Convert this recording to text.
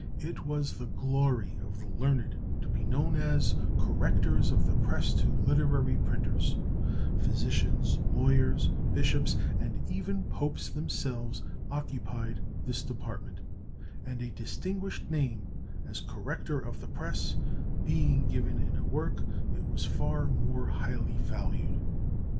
It was the glory of the learned to be known as correctors of the press to literary printers; physicians, lawyers, bishops, and even popes themselves occupied this department; and a distinguished name, as corrector of the press, being given in a work, it was far more highly valued.